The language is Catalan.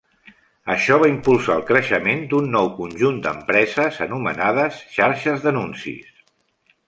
Això va impulsar el creixement d'un nou conjunt d'empreses anomenades Xarxes d'anuncis.